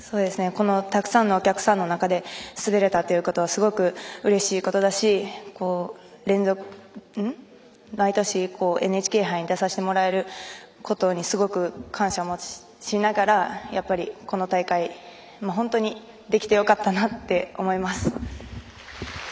たくさんのお客さんの中で滑れたのはすごいうれしいことだし毎年ＮＨＫ杯に出させてもらえるということに感謝もしながらこの大会本当にできてよかったなと思います。